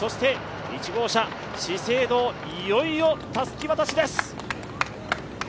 １号車、資生堂、いよいよたすき渡しです。